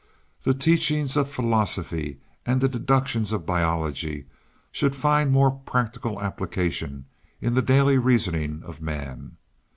The teachings of philosophy and the deductions of biology should find more practical application in the daily reasoning of man.